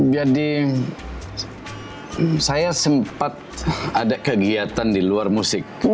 jadi saya sempat ada kegiatan di luar musik